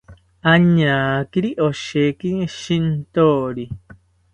Añakiri oshekini shintori